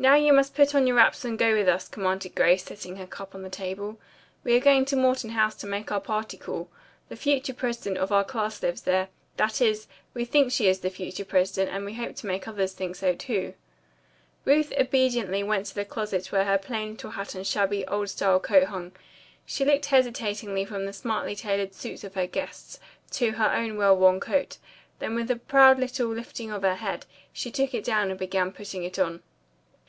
"Now, you must put on your wraps and go with us," commanded Grace, setting her cup on the table. "We are going to Morton House to make our party call. The future president of 19 lives there. That is, we think she is the future president and we hope to make others think so, too." Ruth obediently went to the closet where her plain little hat and shabby, old style coat hung. She looked hesitatingly from the smartly tailored suits of her guests to her own well worn coat, then with a proud little lifting of her head, she took it down and began putting it on.